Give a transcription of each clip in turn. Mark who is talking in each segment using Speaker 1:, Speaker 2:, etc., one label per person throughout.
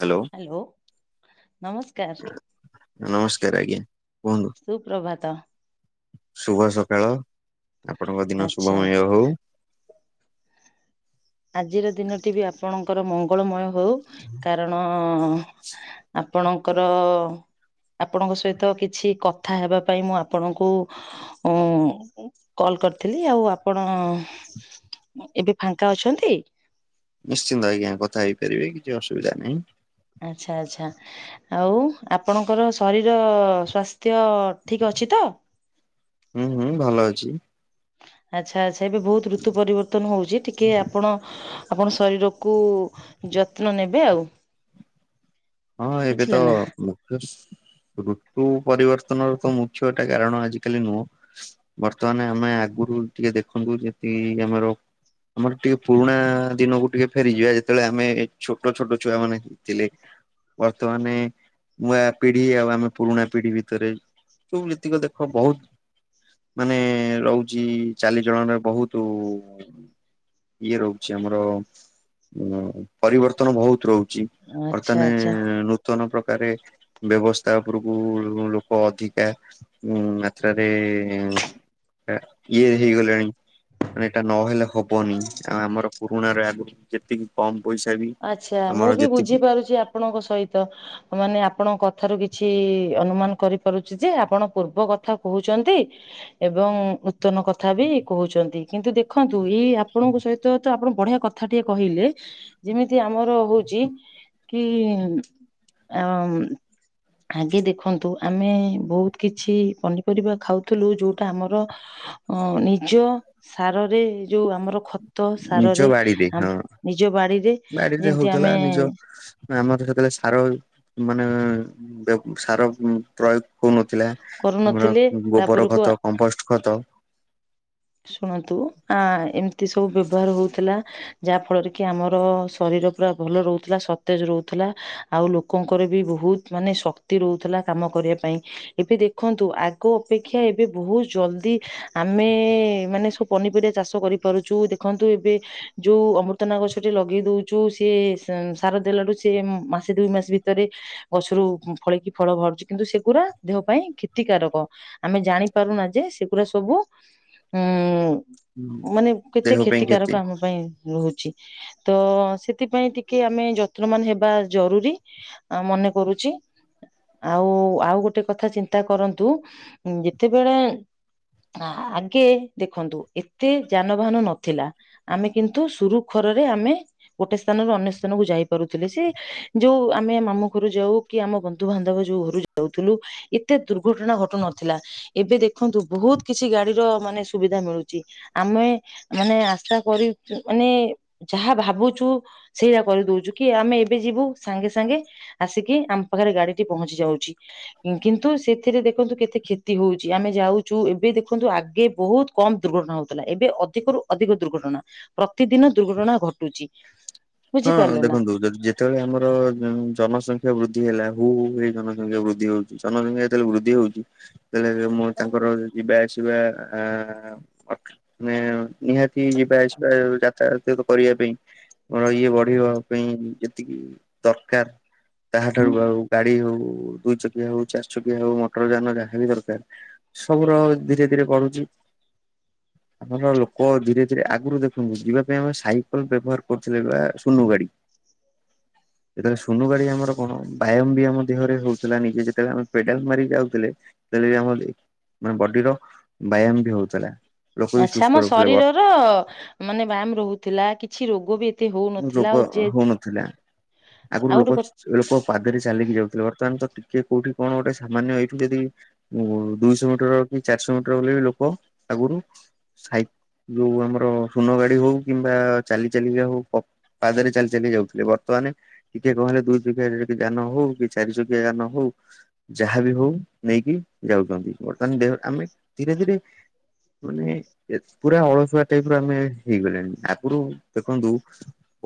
Speaker 1: Hello.
Speaker 2: Hello ନମସ୍କାର।
Speaker 1: ନମସ୍କାର ଆଜ୍ଞା କୁହନ୍ତୁ?
Speaker 2: ସୁପ୍ରଭାତ।
Speaker 1: ଶୁଭ ସକାଳ ଆପଣଙ୍କ ଦିନ
Speaker 2: ଆଚ୍ଛା
Speaker 1: ଶୁଭମୟ ହଉ।
Speaker 2: ଆଜିର ଦିନଟି ବି ଆପଣଙ୍କର ମଙ୍ଗଳମୟ ହଉ କାରଣ ଆପଣଙ୍କର ଆପଣଙ୍କ ସହିତ କିଛି କଥା ହେବା ପାଇଁ ମୁଁ ଆପଣଙ୍କୁ ଉ କଲ୍ କରିଥିଲି ଆଉ ଆପଣ ଏବେ ଫାଙ୍କା ଅଛନ୍ତି?
Speaker 1: ନିଶ୍ଚିନ୍ତ ଆଜ୍ଞା କଥା ହେଇପାରିବି କିଛି ଅସୁବିଧା ନାହିଁ।
Speaker 2: ଆଚ୍ଛା ଆଚ୍ଛା। ଆଉ ଆପଣଙ୍କର ଶରୀର ସ୍ୱାସ୍ଥ୍ୟ ଠିକ ଅଛି ତ?
Speaker 1: ହୁଁ ହୁଁ ଭଲ ଅଛି।
Speaker 2: ଆଚ୍ଛା ଆଚ୍ଛା ଏବେ ବହୁତ ଋତୁ ପରିବର୍ତ୍ତନ ହଉଛି ଟିକେ ଆପଣ ଆପଣ ଶରୀରକୁ ଯତ୍ନ ନେବେ ଆଉ।
Speaker 1: ହଁ ଏବେ
Speaker 2: ବୁଝିଲେ
Speaker 1: ତ
Speaker 2: ନା
Speaker 1: ସୁ ଋତୁ ପରିବର୍ତ୍ତନର ତ ମୁଖ୍ୟଟା କାରଣ ଆଜିକାଲି ନୁହଁ। ବର୍ତ୍ତମାନ ଆମେ ଆଗରୁ ଟିକେ ଦେଖନ୍ତୁ ଯେତିକି ଆମର ଆମର ଟିକେ ପୁରୁଣା ଦିନକୁ ଟିକେ ଫେରିଯିବା ଯେତେବେଳେ ଆମେ ଛୋଟ ଛୋଟ ଛୁଆ ମାନେ ଥିଲେ। ବର୍ତ୍ତମାନେ ନୂଆ ପିଢି ଆଉ ଆମେ ପୁରୁଣା ପିଢି ଭିତରେ କେଉ ନୀତିକ ଦେଖ ବହୁତ ମାନେ ରହୁଛି ଚାଲିଚଳନ ବହୁତୁ ଇଏ ରହୁଛି ଆମର ପରିବର୍ତ୍ତନ ବହୁତ ରହୁଛି
Speaker 2: ଆଚ୍ଛା
Speaker 1: ବର୍ତ୍ତମାନେ
Speaker 2: ଆଚ୍ଛା
Speaker 1: ନୂତନ ପ୍ରକାର ବ୍ୟବସ୍ଥା ଉପରକୁ ଲୋକ ଅଧିକା ହୁଁ ମାତ୍ରାରେ ଇଏହେଇଗଲେଣି। ମାନେ ଏଇଟା ନହେଲେ ହବନି ଆଉ ଆମର ପୁରୁଣ ର ଆଗରୁ ଯେତିକି କମ ପଇସା ବି
Speaker 2: ଆଚ୍ଛା ମୁଁ
Speaker 1: ଆମର
Speaker 2: ବି
Speaker 1: ଯେତିକି
Speaker 2: ବୁଝିପାରୁଛି ଆପଣଙ୍କ ସହିତ ମାନେ ଆପଣଙ୍କ କଥାରୁ କିଛି ଅନୁମାନ କରିପାରୁଛି ଯେ ଆପଣ ପୂର୍ବ କଥା କହୁଛନ୍ତି ଏବଂ ନୂତନ କଥା ବି କହୁଛନ୍ତି କିନ୍ତୁ ଦେଖନ୍ତୁ ଏଇ ଆ ଆପଣଙ୍କ ସହିତ ତ ଆପଣ ବଢିଆ କଥା ଟିକେ କହିଲେ। ଯେମିତି ଆମର ହଉଛି କି ଅ ଆଗେ ଦେଖନ୍ତୁ ଆମେ ବହୁତ କିଛି ପନିପରିବା ଖାଉଥିଲୁ ଯୋଉଟା ଆମର ଅ ନିଜ ସାରରେ ଯୋଉ ଆମର ଖ ତ
Speaker 1: ନିଜ
Speaker 2: ସାରରେ
Speaker 1: ବାଡିରେ ହଁ
Speaker 2: ନିଜ ବାଡିରେ
Speaker 1: ବାଡିରେ
Speaker 2: ଯେମିତି
Speaker 1: ହଉଥିଲା
Speaker 2: ଆମେ
Speaker 1: ନିଜ ଆମର ସେତେବେଳେ ସାର ମାନେ ସାର ପ୍ରୟୋଗ ହଉନଥିଲା ଆମର
Speaker 2: କରୁନଥିଲେ
Speaker 1: ଗୋବର
Speaker 2: ତାପରକୁ
Speaker 1: ଖତ କମ୍ପୋଷ୍ଟ ଖତ
Speaker 2: ଶୁଣନ୍ତୁ ଆ ଏମିତି ସବୁ ବ୍ୟବହାର ହଉଥିଲା। ଯାହା ଫଳରେ କି ଆମର ଶରୀର ପୁରା ଭଲ ରହୁଥିଲା ସତେଜ ରହୁଥିଲା। ଆଉ ଲୋକଙ୍କର ବି ବହୁତ ମାନେ ଶକ୍ତି ରହୁଥିଲା କାମ କରିବା ପାଇଁ। ଏବେ ଦେଖନ୍ତୁ ଆଗ ଅପେକ୍ଷା ଏବେ ବହୁତ ଜଲଦି ଆମେ ମାନେ ସବୁ ପନିପରିବା ଚାଷ କରିପାରୁଛୁ ଦେଖନ୍ତୁ ଏବେ ଯୋଉ ଅମୃତନା ଗଛଟି ଲଗେଇ ଦଉଛୁ ସିଏ ସାର ଦେଲାଠୁ ସେ ମାସେ ଦୁଇ ମାସ ଭିତରେ ଗଛରୁ ଫଳେଇକି ଫଳ ବାହାରୁଛି କିନ୍ତୁ ସେଗୁରା ଦେହ ପାଇଁ କ୍ଷତି କାରକ। ଆମେ ଜାଣି ପାରୁନା ଯେ ସେଗୁଡା ସବୁ ଉଁ ମାନେ କେତେ
Speaker 1: ଦେହ ପାଇଁ କ୍ଷତି
Speaker 2: କ୍ଷତିକାରକ ଆମ ପାଇଁ ରହୁଛି। ତ ସେଥିପାଇଁ ଟିକେ ଆମେ ଯତ୍ନବାନ ହେବା ଜରୁରୀ। ଆ ମନେ କରୁଛି ଆଉ ଆଉ ଗୋଟେ କଥା ଚିନ୍ତା କରନ୍ତୁ ଯେତେବେଳେ ହଁ [unintelligible] କେ ଦେଖନ୍ତୁ ଏତେ ଯାନବାହାନ ନଥିଲା ଆମେ କିନ୍ତୁ ସୁରୁଖରରେ ଆମେ ଗୋଟେ ସ୍ଥାନରୁ ଅନ୍ୟ ସ୍ଥାନକୁ ଯାଇ ପାରୁଥିଲେ ସେ ଯୋଉ ଆମେ ମାମୁ ଘରୁ ଯାଉ କି ଆମ ବନ୍ଧୁବାନ୍ଧବ ଯୋଉ ଘରୁ ଦଉଥିଲୁ ଏତେ ଦୁର୍ଘଟଣା ଘଟୁନଥିଲା ଏବେ ଦେଖନ୍ତୁ ବହୁତ କିଛି ଗାଡିର ମାନେ ସୁବିଧା ମିଳୁଛି ଆମେ ମାନେ ଆଶା କରି ମାନେ ଯାହା ଭାବୁଛୁ ସେଇଟା କରିଦଉଛୁ କି ଆମେ ଏବେ ଯିବୁ ସାଙ୍ଗେ ସାଙ୍ଗେ ଆସିକି ଆମ ପାଖରେ ଗାଡି ଟି ପହଞ୍ଚି ଯାଉଛି। କିନ୍ତୁ ସେଥିରେ ଦେଖନ୍ତୁ କେତେ କ୍ଷତି ହଉଛି ଆମେ ଯାଉଛୁ ଏବେ ଦେଖନ୍ତୁ ଆଗେ ବହୁତ କମ୍ ଦୁର୍ଘଟଣା ହଉଥିଲା ଏବେ ଅଧିକରୁୁ ଅଧିକ ଦୁର୍ଘଟଣା। ପ୍ରତିଦିନ ଦୁର୍ଘଟଣା ଘଟୁଛି।
Speaker 1: ହଁ
Speaker 2: ବୁଝିପାରିଲେ ନା
Speaker 1: ଦେଖନ୍ତୁ ଯଦି ଯେ ଯେତେବେଳେ ଆମର ଜନସଂଖ୍ୟା ବୃଦ୍ଧି ହେଲା ହୁ ହୁ ହେଇ ଜନସଖ୍ୟା ବୃଦ୍ଧି ହଉଛି ଜନସଂଖ୍ୟା ଯେତେବେଳେ ବୃଦ୍ଧି ହଉଛି। ଜେତେଳେ ହେଲେ ମୁଁ ତାଙ୍କର ଯିବା ଆସିବା ଆ ମାନେ ନିହାତି ଯିବା ଆସିବା ଯାତାୟାତ କରିବା ପାଇଁ ଆର ଇଏ ବଢବା ପାଇଁ ଯେତିକି ଦରକାର ତାହା ଠାରୁ ଆଉ ଗାଡି ହଉ ଦୁଇ ଚକିଆ ହଉ ଚାରି ଚକିଆ ହଉ ମଟର ଯହାନ ଯାହାବି ଦରକାର ସବୁ ର ଧୀରେ ଧୀରେ ବଢୁଛି। ଆମର ଲୋକ ଧୀରେ ଧୀରେ ଆଗରୁ ଦେଖନ୍ତୁ ଯିବା ପାଇଁ ଆମେ ସାଇକେଲ ବ୍ୟବହାର କରୁଥିଲେ ବେ ସୁନୁ ଗାଡ଼ି ଯେତେବେଳେ ସୁନୁ ଗାଡ଼ି ଆମର କଣ ବ୍ୟାୟାମ ବି ଆମ ଦେହରେ ହଉଥିଲା ନିଜେ ଯେତେବେଳେ ଆମେ ପେଡ଼ାଲ ମାରି ଯାଉଥିଲେ ସେତେବେଳେ ଆମ ମାନେ ବଡ଼ିର ବ୍ୟାୟାମ ବି ହଉଥିଲା। ଲୋକ ବି
Speaker 2: ଆଚ୍ଛା
Speaker 1: ସୁସ୍ଥ
Speaker 2: ଆମ
Speaker 1: ରହୁଥିଲେ
Speaker 2: ଶରୀରର ମାନେ ବ୍ୟାୟାମ ରହୁଥିଲା କିଛି ରୋଗ ବି ଏ
Speaker 1: ରୋଗ ହଉନଥିଲା ଆଗରୁ
Speaker 2: ଆଉ ଗୋଟେ
Speaker 1: ଲୋକ
Speaker 2: କଥା
Speaker 1: ସେ ଲୋକ ପାଦରେ ଚାଲିକି ଯାଉଥିଲେ ବର୍ତ୍ତମାନ ତ ଟିକେ କୋଉଠି କଣ ଗୋଟେ ସାମାନ୍ୟ ଏଇଠୁ ଯଦି ଦୁଇଶହ ମିଟର କି ଚାରିଶହ ମିଟର ବୋଲି ବି ଲୋକ ଆଗୁରୁ ସାଇ ଯୋଉ ଆମର ସୁନ ଗାଡି଼ ହଉ କିମ୍ବା ଚାଲି ଚାଲି ଯାଉ। ପ ପାଦରେ ଚାଲି ଚାଲି ଯାଉଥିଲେ ବର୍ତ୍ତମାନେ ଟିକେ କଣ ହେଲେ ଦୁଇ ଚକିଆରେ ଯାନ ହଉ କି ଚାରି ଚକିଆ ଯାନ ହୋଉ ଯାହା ବିି ହୋଉ ନେଇକି ଯାଉଚନ୍ତି ବର୍ତ୍ତମାନ ଦେହ ଆମେ ଧୀରେ ଧୀରେ ମାନେ ଏ ପୁରା ଅଳସୁଆ ଟାଇପ୍ ର ଆମେ ହେଇଗଲେଣି ଆଗରୁ ଦେଖନ୍ତୁ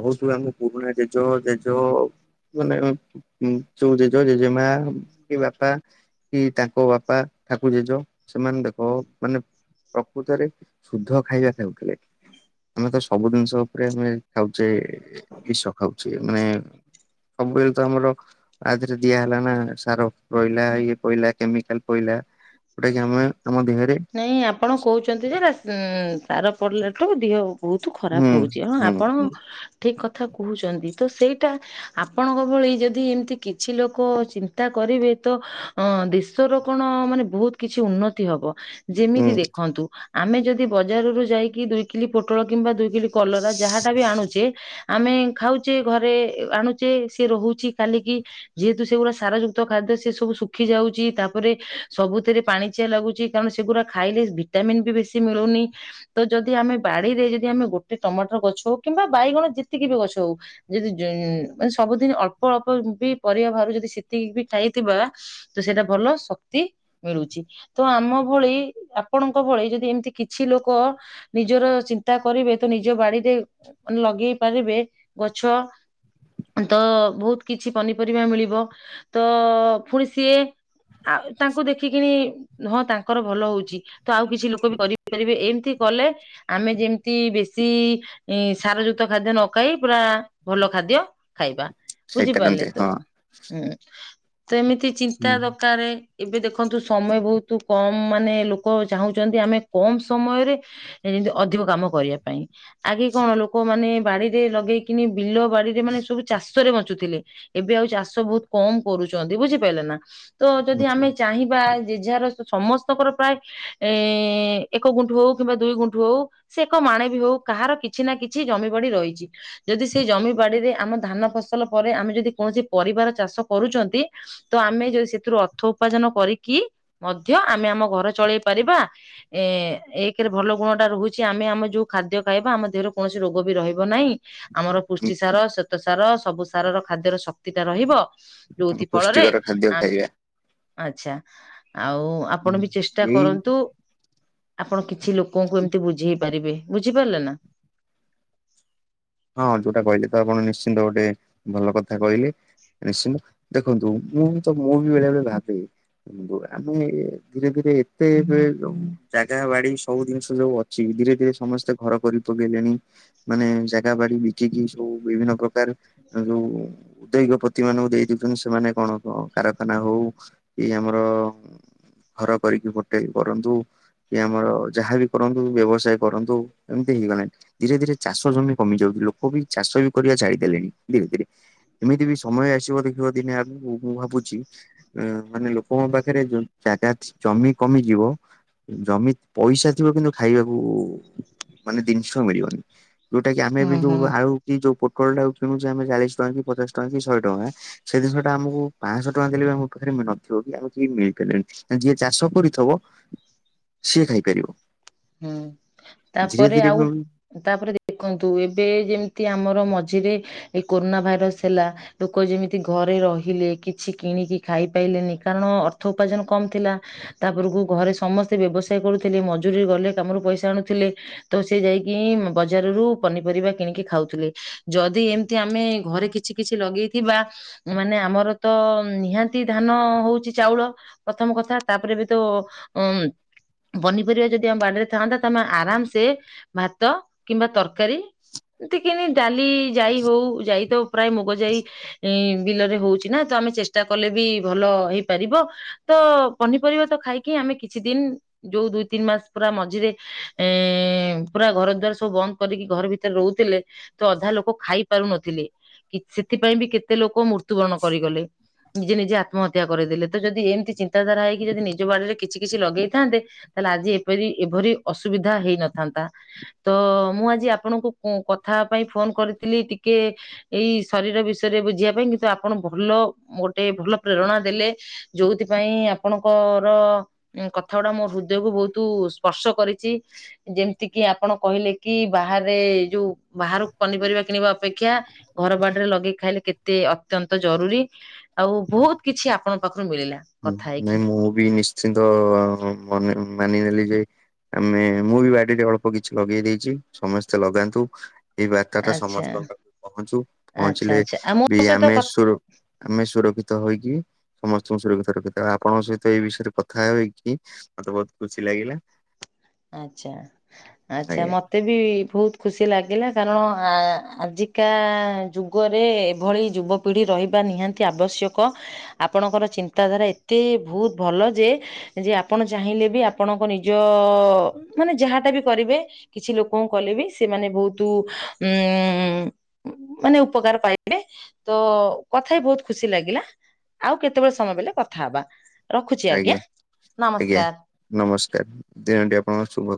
Speaker 1: ବହୁତୁ ଆମ ପୁରୁଣା ଜେଜ ଜେଜ ମାନେ ଯୋଉ ଜେଜ ଜେଜେମା କି ବାପା କି ତାଙ୍କ ବାପା ଠାକୁ ଜେଜ ସେମାନେ ଦେଖ ମାନେ ପ୍ରକୃତରେ ଶୁଦ୍ଧ ଖାଇବା ଖାଉଥିଲେ ଆମେ ତ ସବୁ ଜିନିଷ ଉପରେ ଆମେ ଖାଉଚେ ବିଷ ଖାଉଚେ ମାନେ ସବୁବେଳେ ତ ଆମର ଆ ଦିହରେ ଦିଆ ହେଲା ନା ସାର ରହିଲା ଇଏ ପଇଲା କେମିକାଲ ପଇଲା। ଉଟା କି ଆମେ ଆମ ଦେହରେ
Speaker 2: ନାଇଁ ଆପଣ କହୁଛନ୍ତି ଯେ ଉଁ ସାର ପଡ଼ିଲାଠୁ ଦିହ ବୋହୁତୁ
Speaker 1: ହୁଁ
Speaker 2: ଖରାପ ହଉଛି ହଁ
Speaker 1: ହୁଁ
Speaker 2: ଆପଣ
Speaker 1: ହୁଁ
Speaker 2: ଠିକ କଥା କହୁଛନ୍ତି ତ ସେଇଟା ଆପଣଙ୍କ ଭଳି ଯଦି ଏମିତି କିଛି ଲୋକ ଚିନ୍ତା କରିବେ ତ ଅଁ ଦି ଶର କଣ ମାନେ ବହୁତ କିଛି ଉନ୍ନତି ହବ।
Speaker 1: ହୁଁ
Speaker 2: ଯେମିତି ଦେଖନ୍ତୁ ଆମେ ଯଦି ବଜାରରୁୁ ଯାଇକି ଦୁଇ କିଲି ପୋଟଳ କିମ୍ବା ଦୁଇ କିଲି କଲରା ଯାହାଟା ବି ଆଣୁଚେ ଆମେ ଖାଉଚେ ଘରେ ଆଣୁଚେ ସିଏ ରହୁଚି କାଲିକି ଯେହେତୁ ସେଗୁଡ଼ା ସାର ଯୁକ୍ତ ଖାଦ୍ୟ ସେ ସବୁ ଶୁଖି ଯାଉଚି ତାପରେ ସବୁଥିରେ ପାଣି ଚିଆ ଲାଗୁଚି କାରଣ ସେଗୁରା ଖାଇଲେ ଭିଟାମିନ୍ ବି ବେଶୀ ମିଳୁନି। ତ ଯଦି ଆମେ ବାଡି଼ରେ ଯଦି ଆମେ ଗୋଟେ ଟମାଟର ଗଛ ହଉ କିମ୍ବା ବାଇଗଣ ଯେତିକି ବି ଗଛ ହୋଉ ଯଦି ମାନେ ସବୁଦିନ ଅଳ୍ପ ଅଳ୍ପ ବି ପରିବା ବାହାରୁ ଯଦି ସେତିକି ବି ଖାଇଥିବା ତ ସେଇଟା ଭଲ ଶକ୍ତି ମିଳୁଚି ତ ଆମ ଭଳି ଆପଣଙ୍କ ଭଳି ଯଦି ଏମିତି କିଛି ଲୋକ ନିଜର ଚିନ୍ତା କରିବେ ତ ନିଜ ବାଡି଼ରେ ଲଗେଇ ପାରିବେ ଗଛ। ତ ବୋହୁତ କିଛି ପନିପରିବା ମିଳିବ ତ ଫୁଣି ସିଏ ଆଉ ତାଙ୍କୁ ଦେଖିକିନି ହଁ ତା କର ଭଲ ହଉଚି ତ ଆଉ କିଛି ଲୋକ ବି କରିପାରିବେ ଏମିତି କଲେ ଆମେ ଯେମିତି ବେଶୀ ଏଁ ସାର ଯୁକ୍ତ ଖାଦ୍ୟ ନ ଖାଇ ପୁରା ଭଲ ଖାଦ୍ୟ ଖାଇବା ବୁଝିପାରିଲେ
Speaker 1: ଖାଇପାରନ୍ତେ
Speaker 2: ତ
Speaker 1: ହଁ।
Speaker 2: ହୁଁ ତ ଏମିତି ଚିନ୍ତା ଦକାରେ। ଏବେ ଦେଖନ୍ତୁ ସମୟ ବୋହୁତୁ କମ୍ ମାନେ ଲୋକ ଚାହୁଁଛନ୍ତି ଆମେ କମ୍ ସମୟରେ ଯେମତି ଅଧିକ କାମ କରିବା ପାଇଁ। ଆଗେ କଣ ଲୋକ ମାନେ ବାଡି଼ରେ ଲଗେଇକିନି ବିଲ ବାଡି଼ରେ ମାନେ ସବୁ ଚାଷ ଷରେ ବଞ୍ଚୁଥିଲେ ଏବେ ଆଉ ଚାଷ ବହୁତ କମ୍ କରୁଚନ୍ତି ବୁଝିପାଇଲେ ନା। ତ ଯଦି ଆମେ ଚାହିଁବା ଯେ ଯାହାର ସେ ଛମସ୍ତଙ୍କର ପ୍ରାୟ ଏ ଏକ ଗୁଣ୍ଠୁ ହଉ କିମ୍ବା ଦୁଇ ଗୁଣ୍ଠୁ ହଉ, ସେ ଏକ ମାଣେ ବି ହଉ କାହାର କିଛି ନା କିଛି ଜମି ପଡ଼ି ରହିଛି, ଯଦି ସେଇ ଜମି ବାଡି଼ରେ ଆମ ଧାନ ଫସଲ ପରେ ଆମେ ଯଦି କୌଣସି ପରିବାର ଚାଷ କରୁଛନ୍ତି, ତ ଆମେ ଯଦି ସେଥିରୁ ଅର୍ଥ ଉପାର୍ଜନ କରିକି ମଧ୍ୟ ଆମେ ଆମ ଘର ଚଳେଇ ପାରିବା, ଏ ଏକ୍ ରେ ଭଲ ଗୁଣ ଟା ରହୁଛି ଆମେ ଆମେ ଯୋଉ ଖାଦ୍ୟ ଖାଇବା ଆମ ଦେହରେ କୌଣସି ରୋଗ ବି ରହିବ ନାହିଁ, ଆମର ପୁଷ୍ଟି ସାର ଶ୍ଵେତ ସାର ସବୁ ସାର ର ଖାଦ୍ୟର ଶକ୍ତି ଟା ରହିବ,
Speaker 1: ହୁଁ
Speaker 2: ଯଉଥି ଫଳରେ
Speaker 1: ପୁଷ୍ଟିକର ଖାଦ୍ୟ
Speaker 2: ଆମ୍
Speaker 1: ଖାଇବା
Speaker 2: ଆଚ୍ଛା ଆଉ ଆପଣ ବି ଚେଷ୍ଟା
Speaker 1: ଏଇ
Speaker 2: କରନ୍ତୁ ଆପଣ କି ଛି ଲୋକଙ୍କୁ ଏମିତି ବୁଝେଇ ପାରିବେ ବୁଝିପାରିଲେ ନା,
Speaker 1: ହଁ ଯୋଉଟା କହିଲେ ତ ଆପଣ ନିଶ୍ଚିନ୍ତ ଗୋଟେ ଭଲ କଥା କହିଲି, ନିଶ୍ଚିନ୍ତ ଦେଖନ୍ତୁ ମୁଁ ତ ମୁଁ ବି ବେଳେ-ବେଳେ ଭାବେ, ହୁଁ ଦୁ ଆମେ ଏ ଧୀରେ-ଧୀରେ ଏତେ ଏବେ ଯୋଉ ଜାଗା ବାଡି଼ ସବୁ ଜିନିଷ ଯୋଉ ଅ ଛି ଧୀରେ-ଧୀରେ ସମସ୍ତେ ଘର କରି ପକେଇଲେଣି ମାନେ ଜା ଗା ବାଡ଼ି ବିକିକି ସବୁ ବିଭିନ୍ନ ପ୍ରକାର ଯୋଉ ଉଦ୍ୟୋଗ ପ ତି ମାନଙ୍କୁ ଦେଇ ଦଉଛନ୍ତି ସେମାନେ କଣ-କଣ କାରଖାନା ହଉ କି ଆମର, ଘର କରିକି ଫୁଟେଇ କରନ୍ତୁ, କି ଆମର ଯାହାବି କରନ୍ତୁ ବ୍ୟବସାୟ କରନ୍ତୁ ଏମିତି ହେଇଗଲାଣି ଧୀରେ-ଧୀରେ ଚାଷ ଜମି, କମି ଯାଉଛି ଲୋକ ବି ଚାଷ ବି କରିବା ଛାଡ଼ି ଦେଲେଣି ଧୀରେ-ଧୀରେ, ଏମିତି ବି ସମୟ ଆସିବ ଦେଖିବ ଦିନେ ଆଗକୁ ମୁଁ ଭାବୁଛି, ଅ ମାନେ ଲୋକଙ୍କ ପାଖରେ ଯୋଉ ଜାଗା ଛି ଜମି କମିଯିବ, ଜମି ପଇସା ଥିବ କିନ୍ତୁ ଖାଇବାକୁ ମାନେ ଜିନିଷ ମିଳିବନି, ଯୋଉଟା କି ଆମେ ବି
Speaker 2: ହୁଁ
Speaker 1: ଯୋଉ
Speaker 2: ହୁଁ
Speaker 1: ଆଳୁ କି ଯଉ ପୋଟୋଲ ଟାକୁ କିଣୁଛେ ଆମେ ଚାଳିଶ ଟଙ୍କା କି ପଚାଶ ଟଙ୍କା କି ଶହେ ଟଙ୍କା, ସେଇ ଜିନିଟା ଆମକୁ ପାଞ୍ଚଶହ ଟଙ୍କା ଦେଲେ ବି ଆମ ପାଖରେ ନଥିବ କି ଆମେ କି ମିଳିପାରିବନି, ଯିଏ ଚାଷ କରିଥବ ସିଏ ଖାଇପାରିବ,
Speaker 2: ହୁଁ
Speaker 1: ଧୀରେ
Speaker 2: ତାପରେ
Speaker 1: ଧୀରେ
Speaker 2: ଆଉ,
Speaker 1: ବି
Speaker 2: ତାପରେ ଦେଖନ୍ତୁ ଏବେ ଯେମିତି ଆମର ମଝିରେ ଏ କୋରୋନା ଭାଇରସ୍ ଥିଲା, ଲୋକ ଯେମିତି ଘରେ ରହିଲେ କିଛି କିଣିକି ଖାଇପାରଲେନି କାରଣ ଅର୍ଥ ଉପାର୍ଜନ କମ ଥିଲା, ତାପରକୁ ଘରେ ସମସ୍ତେ ବ୍ୟବସାୟ କରୁଥିଲେ ମଜୁରୀ ଗଲେ କାମରୁ ପଇସା ଆଣୁଥିଲେ, ତ ସେ ଯାଇକି ବଜାରରୁ ପନିପରିବା କିଣିକି ଖାଉଥିଲେ ଯଦି ଏମିତି ଆମେ ଘରେ କିଛି, କିଛି ଲଗେଇଥିବା ମାନେ ଆମର ତ ନିହାତି ଧାନ ହଉଛି ଚାଉଳ, ପ୍ରଥମ କଥା ତାପରେ ବି ତ ଉଁ ପନିପରିବା ଯଦି, ତି ଆମ୍ ବାଡ଼ିରେ ଥାଆନ୍ତା ତମେ ଆରାମ୍ ସେ ଭାତ କିମ୍ବା ତରକାରୀ, ଏତିକିନି ଡାଲି ଯାଇ ହଉ ଯାଇ ତ ପ୍ରାୟ ମୁଗ ଯାଇ ଏ, ବିଲରେ ହଉଛି ନା ତ ଆମେ ଚେଷ୍ଟା କଲେ ବି ଭଲ ହେଇପାରିବ, ତ ପନିପରିବା ତ ଖାଇକି ଆମେ କିଛି ଦିନ ଯୋଉ ଦୁଇ ତିନି ମାସ୍ ପୁରା ମଝିରେ ଏ ପୁରା ଘର ଦଆାର ସବୁ ବନ୍ଦ କରିକି ଘର ଭିତରେ ରହୁଥିଲେ, ତ ଅଧା ଲୋକ ଖାଇ ପାରୁନଥିଲି କିଛି ସେଥିପାଇଁ ବି କେତେ ଲୋକ ମୃତ୍ୟୁବରଣ କରିଗଲେ, ନିଜେ ନିଜେ ଆତ୍ମହତ୍ୟା କରିଦେଲେ ତ ଯଦି ଏମିତି ଚିନ୍ତାଧାରା ହେଇକି ଯଦି ନିଜ ବାଡ଼ିରେ କିଛି-କିଛି ଲଗେଇଥାନ୍ତେ, ତାହେଲେ ଆଜି ଏପରି ଏଭରି ଅସୁବିଧା ହେଇନଥାନ୍ତା, ତ ମୁଁ ଆଜି ଆପଣଙ୍କୁ କଁ କଥା ପାଇଁ ଫୋନ କରିଥିଲି ଟିକେ, ଏଇ ଶରୀର ବିଷୟରେ ବୁଝିବା ପାଇଁ କିନ୍ତୁ ଆପଣ ଭଲ ଗୋଟେ ଭଲ ପ୍ରେରଣା ଦେଲେ, ଯୋଉଥିପାଇଁ ଆପଣଙ୍କର କଥା ଗୁଡ଼ା ମୋ ହୃଦୟକୁୁ ବହୁତ୍, ତୁ ସ୍ପର୍ଶ କରିଛି, ଯେମିତି କିି ଆପଣ କହିଲେ କି ବାହାରେ ଯୋଉ ବାହାରକୁ ପନିପରିବା କିଣିବା ଅପେକ୍ଷା, ଘର ବାଡ଼ରେ ଲଗେଇକି ଖାଇଲେ କେତେ ଅତ୍ୟନ୍ତ ଜରୁରୀ, ଆଉ ବହୁତ କିଛି ଆପଣଙ୍କ ପାଖରୁ ମିଳିଲା।
Speaker 1: ହୁଁ,
Speaker 2: କଥା ହେଇକି
Speaker 1: ନାଇଁ ମୁଁ ବି ନିଶ୍ଚିନ୍ତ ମନେ -ମାନି ନେଲି ଯେ ଆମେ ମୁଁ ବି ବାଡିରେ ଅଳ୍ପ କିଛି ଲଗେଇ ଦେଇଛି। ସମସ୍ତେ ଲଗାନ୍ତୁ। ଏଇ ବାର୍ତ୍ତାଟା
Speaker 2: ଆଚ୍ଛା
Speaker 1: ସମସ୍ତଙ୍କ ପାଖକୁ ପହଞ୍ଚୁ।
Speaker 2: ଆଚ୍ଛା
Speaker 1: ପହଞ୍ଚିଲେ
Speaker 2: ଆଚ୍ଛା ଆଉ ମୋ
Speaker 1: ବି
Speaker 2: ସହିତ
Speaker 1: ଆମେ
Speaker 2: କଥା
Speaker 1: ସୁରୁ ଆମେ ସୁରକ୍ଷିତ ହେଇକି ସମସ୍ତଙ୍କୁ ସୁରକ୍ଷିତ ସୁରକ୍ଷିତ। ଆପଣଙ୍କ ସହିତ ଏଇ ବିଷୟରେ କଥା ହୋଇକି ମତେ ବହୁତ ଖୁସି ଲାଗିଲା।
Speaker 2: ଆଚ୍ଛା, ଆଚ୍ଛା ମତେ
Speaker 1: ଆଜ୍ଞା
Speaker 2: ମୋତେ ବି ବହୁତ ଖୁସି ଲାଗିଲା। କାରଣ ଆ ଆଜିକା ଯୁଗରେ ଏଭଳି ଯୁବକ ପିଢ଼ି ରହିବା ନିହାତି ଆବଶ୍ୟକ। ଆପଣଙ୍କର ଚିନ୍ତାଧାରା ଏତେ ବହୁତ ଭଲ ଯେ ଯେ ଆପଣ ଚାହିଁଲେ ବି ଆପଣଙ୍କ ନିଜ, ମାନେ ଯାହାଟା ବି କରିବେ କିଛି ଲୋକଙ୍କୁ କଲେ ବି ସେମାନେ ବହୁତୁ ଉଁ ଉଁ ମାନେ ଉପକାର ପାଇବେ। ତ କଥା ହେଇ ବହୁତ ଖୁସି ଲାଗିଲା। ଆଉ କେତେବେଳେ ସମୟ ବଲେ କଥା ହବା।
Speaker 1: ଆଜ୍ଞା, ଆଜ୍ଞା।
Speaker 2: ନମସ୍କାର।
Speaker 1: ନମସ୍କାର, ଦିନଟି ଆପଣଙ୍କ ଶୁଭ